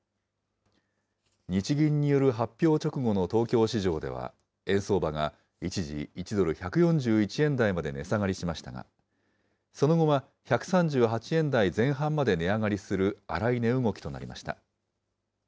日銀による発表直後の東京市場では、円相場が一時、１ドル１４１円台まで値下がりしましたが、その後は１３８円台前半まで値上がりする荒い値動きとなりました。